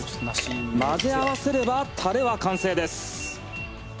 混ぜ合わせればタレは完成です